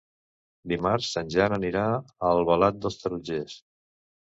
Dimarts en Jan anirà a Albalat dels Tarongers.